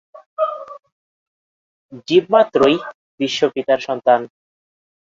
জীবমাত্রই বিশ্বপিতার সন্তান।